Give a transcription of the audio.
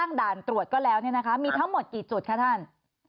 ตั้งด่านตรวจก็แล้วมีทั้งหมดกี่จุดครับท่าน